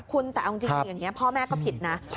คุณแต่เอาจริงอย่างนี้พ่อแม่ก็ผิดนะ